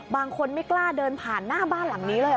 บางคนไม่กล้าเดินผ่านหน้าบ้านหลังนี้เลย